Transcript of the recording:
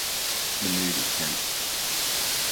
The mood is tense.